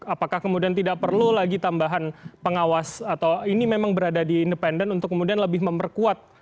apakah kemudian tidak perlu lagi tambahan pengawas atau ini memang berada di independen untuk kemudian lebih memperkuat